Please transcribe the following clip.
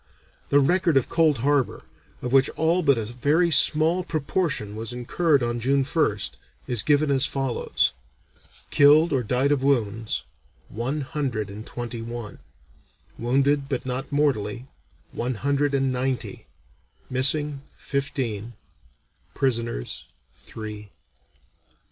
The record of Cold Harbor, of which all but a very small proportion was incurred on June 1st, is given as follows: Killed or died of wounds, one hundred and twenty one; wounded, but not mortally, one hundred and ninety; missing, fifteen; prisoners, three.